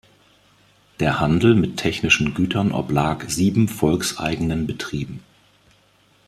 Der Handel mit technischen Gütern oblag sieben volkseigenen Betrieben.